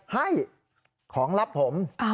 ให้ของลับผม